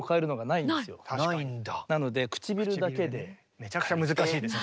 めちゃくちゃ難しいでしょう。